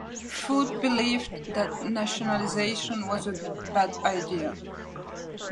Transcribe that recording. Foot believed that nationalization was a bad idea.